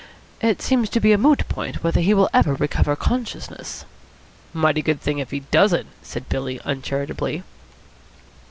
It seems to be a moot point whether he will ever recover consciousness." "Mighty good thing if he doesn't," said Billy uncharitably.